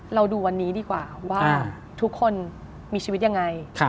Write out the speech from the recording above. ดูวันนี้ดีกว่าว่าทุกคนมีชีวิตยังไง